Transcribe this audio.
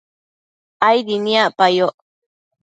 aidi niacpayoc